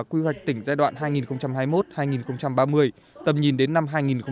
quy hoạch tỉnh giai đoạn hai nghìn hai mươi một hai nghìn ba mươi tầm nhìn đến năm hai nghìn năm mươi